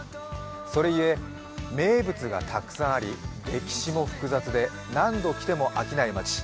それゆえ名物がたくさんあり、歴史も複雑で何度来ても飽きない街。